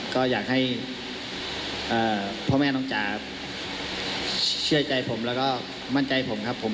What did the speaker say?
ก็อยากให้พ่อแม่น้องจ๋าเชื่อใจผมแล้วก็มั่นใจผมครับผม